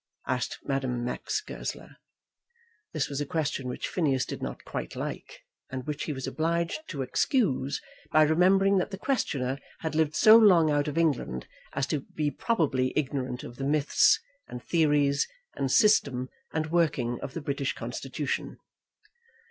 asked Madame Max Goesler. This was a question which Phineas did not quite like, and which he was obliged to excuse by remembering that the questioner had lived so long out of England as to be probably ignorant of the myths, and theories, and system, and working of the British Constitution.